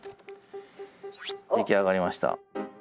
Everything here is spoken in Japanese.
出来上がりました。